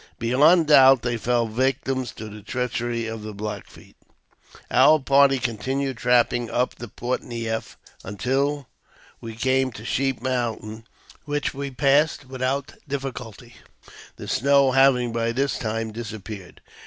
Beyond doubt, they fell victims to the treachery of the Black Feet. Our party continued trapping up the Port Neif, until we came to Sheep Mountain, which we passed without difficulty, the snow having by this time disappeared.